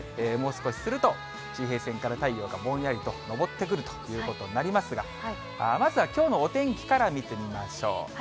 もう少しすると水平線から太陽がぼんやりと昇ってくるということになりますが、まずはきょうのお天気から見てみましょう。